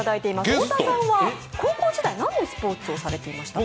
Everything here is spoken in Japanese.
太田さんは高校時代何のスポーツをされていましたか？